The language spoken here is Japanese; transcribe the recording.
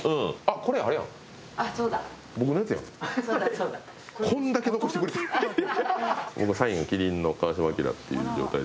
ここサインが麒麟の川島明っていう状態で。